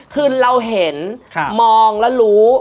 คือเราเห็นมองแล้วรู้